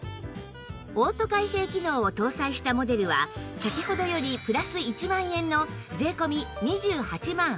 オート開閉機能を搭載したモデルは先ほどよりプラス１万円の税込２８万８０００円です